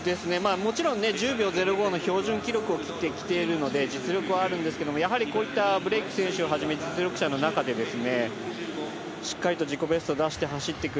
もちろん１０秒０５の標準記録を切ってきてるので実力はあるんですけど、こういったブレイク選手をはじめ実力者の中でしっかりと自己ベストを出して走ってくる。